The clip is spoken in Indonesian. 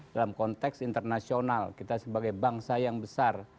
dalam konteks internasional kita sebagai bangsa yang besar